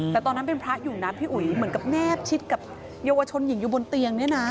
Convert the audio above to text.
แต่ตอนนั้นเป็นพระอยู่นะพี่อุ๋ยเหมือนกับแนบชิดกับเยาวชนหญิงอยู่บนเตียงเนี่ยนะ